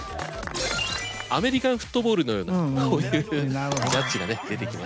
アメリカンフットボールのようなこういうジャッジがね出てきましたが。